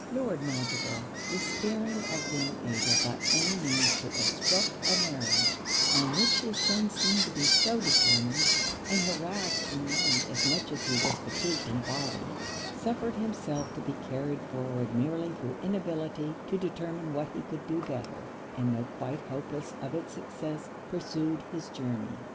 Lord Montreville, despairing of being able by any means to obstruct a marriage on which his son seemed to be so determined, and harrassed in mind as much as he was fatigued in body, suffered himself to be carried forward merely through inability to determine what he could do better; and though quite hopeless of it's success, pursued his journey.